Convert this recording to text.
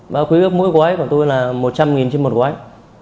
và khí ướp mỗi quấy của tôi là một trăm linh trên một quấy